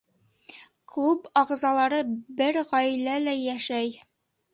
Клуб ағзалары бер ғаиләләй йәшәй.